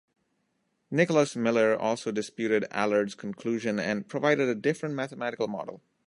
Nicholas Miller also disputed Allard's conclusion and provided a different mathematical model.